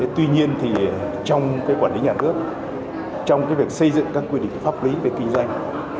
tuy nhiên thì trong quản lý nhà nước trong việc xây dựng các quy định pháp lý về kinh doanh